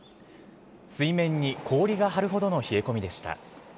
水面に氷が張るほどの冷え込みでした。